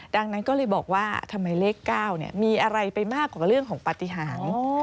ดังนั้นก็เลยบอกว่าทำไมเลข๙มีอะไรไปมากกว่าเรื่องของปฏิหาร